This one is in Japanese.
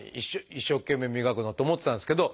一生懸命磨くのって思ってたんですけど